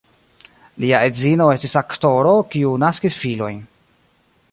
Lia edzino estis aktoro, kiu naskis filojn.